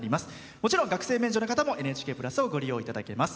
もちろん学生免除の方も「ＮＨＫプラス」をご利用いただけます。